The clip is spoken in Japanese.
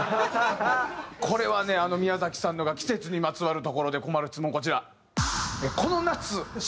これはね宮崎さんのが季節にまつわるところで困る質問こちら。